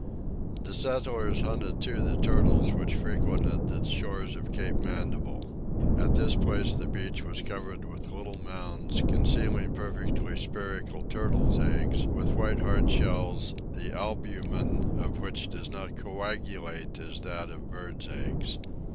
The settlers hunted too the turtles which frequented the shores of Cape Mandible. At this place the beach was covered with little mounds, concealing perfectly spherical turtles' eggs, with white hard shells, the albumen of which does not coagulate as that of birds' eggs.